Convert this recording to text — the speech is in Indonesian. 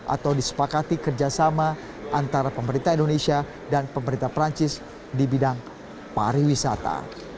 atau disepakati kerjasama antara pemerintah indonesia dan pemerintah perancis di bidang pariwisata